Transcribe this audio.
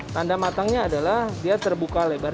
tanda matangnya adalah dia terbuka lebar